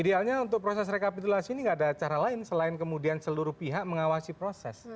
idealnya untuk proses rekapitulasi ini tidak ada cara lain selain kemudian seluruh pihak mengawasi proses